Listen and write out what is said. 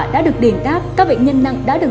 đã được đền đáp các bệnh nhân nặng đã được